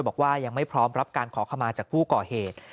บอกว่ายังไม่พร้อมรับการขอขมาจากผู้ก่อเหตุ